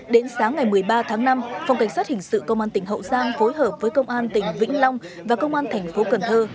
đến sáng ngày một mươi ba tháng năm phòng cảnh sát hình sự công an tỉnh hậu giang phối hợp với công an tỉnh vĩnh long và công an thành phố cần thơ